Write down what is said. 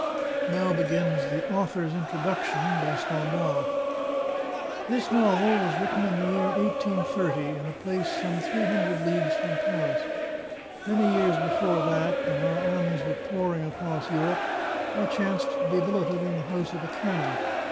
E. G. yi AUTHOR'S INTRODUCTION This novel was written in the year 1830, in a place some three hundred leagues from Paris. Many years be fore that, when our armies were pouring across Europe, I chanced to be billeted in the house of a canon.